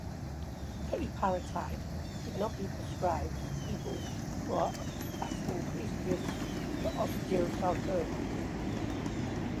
Teriparatide should not be prescribed for people who are at increased risks for osteosarcoma.